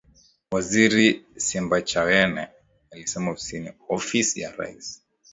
Waziri Simbachawene alisema ofisi yake imepokea barua kutoka Ofisi ya Rais